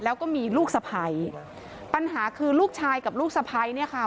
แล้วก็มีลูกสะพ้ายปัญหาคือลูกชายกับลูกสะพ้ายเนี่ยค่ะ